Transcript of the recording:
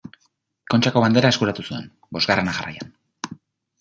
Kontxako Bandera eskuratu zuen, bosgarrena jarraian.